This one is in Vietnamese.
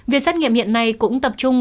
việc xét nghiệm hiện nay cũng tập trung